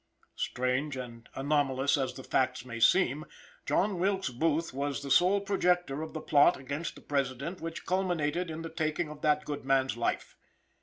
Strange and anomalous as the facts may seem, John Wilkes Booth was the sole projector of the plot against the President which culminated in the taking of that good man's life.